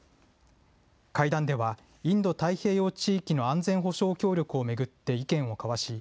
会談ではインド太平洋地域の安全保障協力を巡って意見を交わし